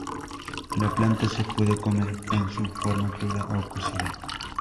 La planta se puede comer en su forma cruda o cocida.